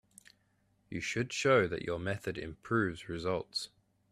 You should show that your method improves results.